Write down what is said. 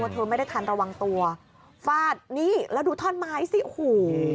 เธอไม่ได้ทันระวังตัวฟาดนี่แล้วดูท่อนไม้สิโอ้โห